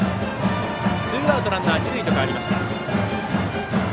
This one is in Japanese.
ツーアウトランナー二塁に変わりました。